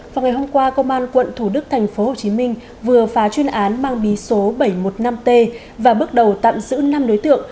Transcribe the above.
vào ngày hôm qua công an quận thủ đức tp hcm vừa phá chuyên án mang bí số bảy trăm một mươi năm t và bước đầu tạm giữ năm đối tượng